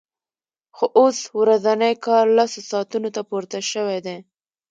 خو اوس ورځنی کار لسو ساعتونو ته پورته شوی دی